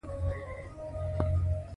په خپلو خبرو کې یې وکاروو.